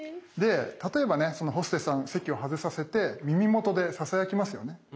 例えばねそのホステスさん席を外させて耳元でささやきますよね。